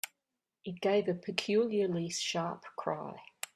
It gave a peculiarly sharp cry.